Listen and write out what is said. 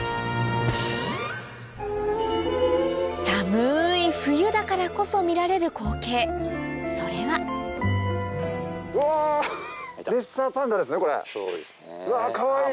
寒い冬だからこそ見られる光景それはうわ！